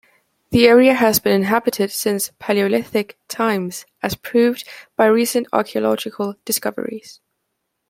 The area has been inhabited since Palaeolithic times, as proved by recent archaeological discoveries.